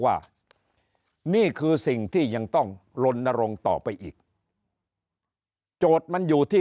ว่านี่คือสิ่งที่ยังต้องลนรงค์ต่อไปอีกโจทย์มันอยู่ที่